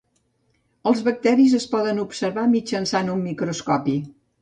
Els bacteris es poden observar mitjançant un microscopi.